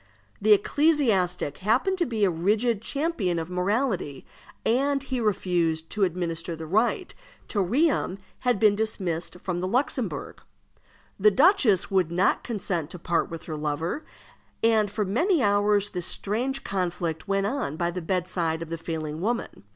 The ecclesiastic happened to be a rigid champion of morality, and he refused to administer the rite till Riom had been dismissed from the Luxembourg. The duchess would not consent to part with her lover, and for many hours this strange conflict went on by the bedside of the failing woman.